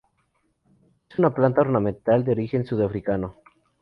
Es una planta ornamental de origen sudafricano.